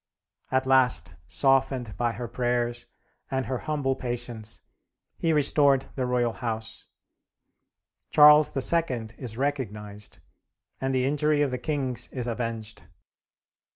At last, softened by her prayers and her humble patience, he restored the royal house; Charles II. is recognized and the injury of the kings is avenged.